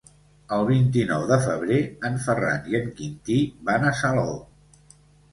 El vint-i-nou de febrer en Ferran i en Quintí van a Salou.